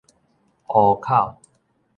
湖口